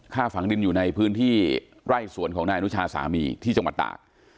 ฝังดินอยู่ในพื้นที่ไร่สวนของนายอนุชาสามีที่จังหวัดตาก